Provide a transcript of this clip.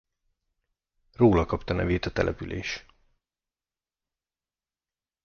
Róla kapta a nevét a település.